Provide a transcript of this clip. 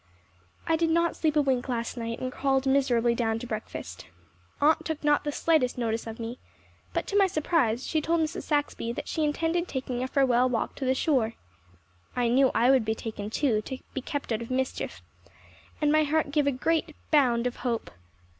I did not sleep a wink last night and crawled miserably down to breakfast. Aunt took not the slightest notice of me, but to my surprise she told Mrs. Saxby that she intended taking a farewell walk to the shore. I knew I would be taken, too, to be kept out of mischief, and my heart gave a great bound of hope.